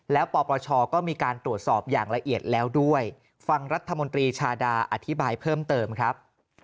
แล้วปปชก็มีการตรวจสอบอย่างละเอียดแล้วด้วยฟังรัฐมนตรีชาดาอธิบายเพิ่มเติมครับ